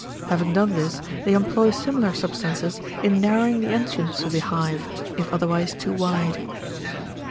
Having done this, they employ similar substances in narrowing the entrance to the hive, if otherwise too wide.